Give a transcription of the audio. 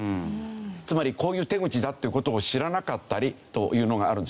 つまりこういう手口だって事を知らなかったりというのがあるんですね。